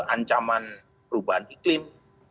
ancaman perubahan iklim